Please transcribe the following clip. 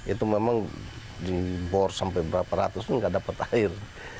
itu memang di bor sampai berapa ratus pun nggak dapat air